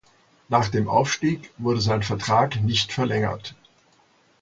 Nach dem Aufstieg wurde sein Vertrag nicht verlängert.